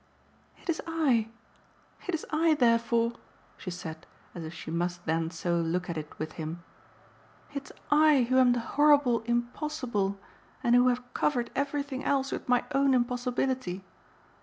"It's I it's I, therefore," she said as if she must then so look at it with him; "it's I who am the horrible impossible and who have covered everything else with my own impossibility.